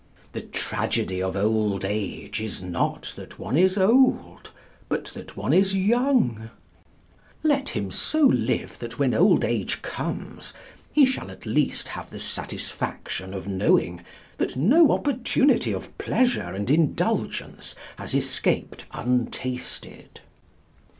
The tragedy of old age is not that one is old, but that one is young: let him so live that when old age comes he shall at least have the satisfaction of knowing that no opportunity of pleasure and indulgence has escaped untasted.